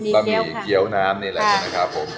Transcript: บะหมี่เกี๊วน้ำนี่แหละนะครับผม